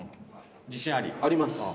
自信あり？あります。